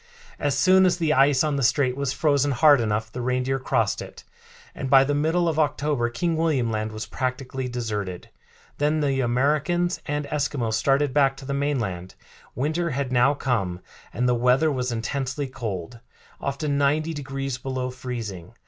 As soon as the ice on the strait was frozen hard enough the reindeer crossed it, and by the middle of October King William Land was practically deserted. Then the Americans and Eskimos started back to the mainland. Winter had now come, and the weather was intensely cold, often ninety degrees below freezing.